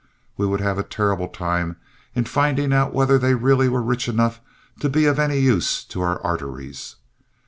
We would have a terrible time in finding out whether they really were rich enough to be of any use to our arteries.